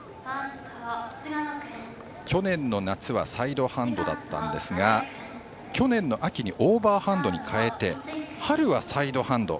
去年の夏はサイドハンドだったんですが去年の秋にオーバーハンドに変えて春はサイドハンド